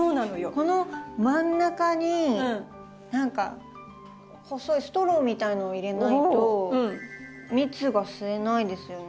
この真ん中に何か細いストローみたいのを入れないと蜜が吸えないですよね。